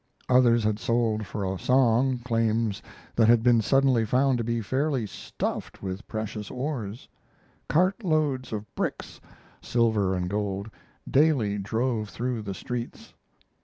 Others had sold for a song claims that had been suddenly found to be fairly stuffed with precious ores. Cart loads of bricks silver and gold daily drove through the streets.